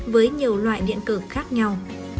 với nhiều loại điện cực khác nhau